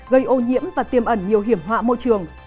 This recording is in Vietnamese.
gây ô nhiễm và tiêm ẩn nhiều hiểm họa môi trường